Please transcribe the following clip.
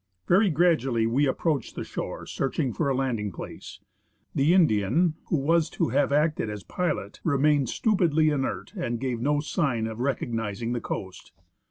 Very gradually we ap proached the shore, searching for a landing place. The Indian, who was to have acted as pilot, remained stupidly inert, and gave no sign of recognising the coast.